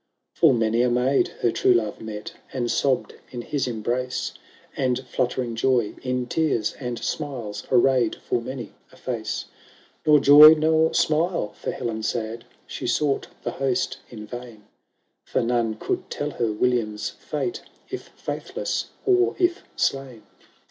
VI Full many a maid her true love met, And sobbed in his embrace, And fluttering joy in tears and smiles Arrayed full many a face. VII Nor joy nor smile for Helen sad; She sought the host in vain ; For none could tell her William's fate, If faithless, or if slain.